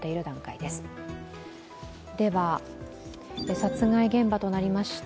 殺害現場となりました